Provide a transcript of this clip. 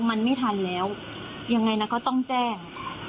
มันไม่ทันแล้วยังไงนะเขาต้องแจ้ง